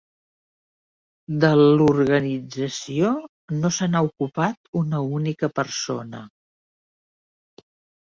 De l'organització no se n'ha ocupat una única persona.